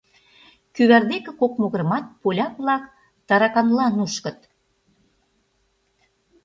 Кӱвар деке кок могырымат поляк-влак тараканла нушкыт.